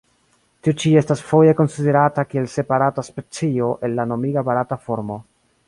Tiu ĉi estas foje konsiderata kiel separata specio el la nomiga barata formo.